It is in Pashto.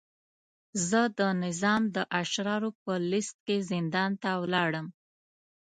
زه د نظام د اشرارو په لست کې زندان ته ولاړم.